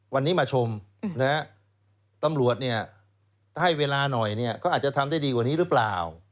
วันนี้มาชมตำรวจเนี่ยถ้าให้เวลาหน่อยเขาอาจจะทำได้ดีกว่านี้หรือเปล่า